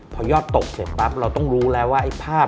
พอยอดตกเสร็จปั๊บเราต้องรู้แล้วว่าไอ้ภาพ